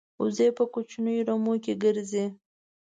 وزې په کوچنیو رمو کې ګرځي